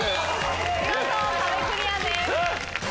見事壁クリアです。